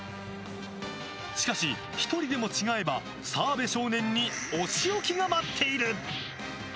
しかし、１人でも違えば澤部少年にお仕置きが待っている。